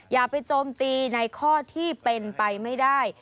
อย่าไปโจมตีในข้อที่เป็นไปไม่ได้